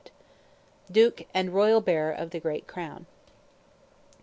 [Footnote: Duke, and royal bearer of the great crown.